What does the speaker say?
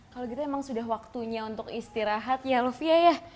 kalau gitu emang sudah waktunya untuk istirahat ya lufia ya